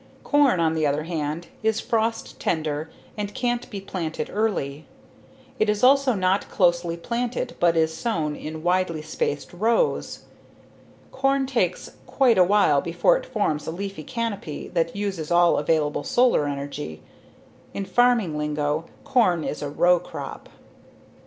Corn, on the other hand, is frost tender and can't be planted early. It is also not closely planted but is sown in widely spaced rows. Corn takes quite a while before it forms a leaf canopy that uses all available solar energy. In farming lingo, corn is a "row crop."